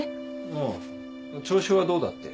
ああ調子はどうだって。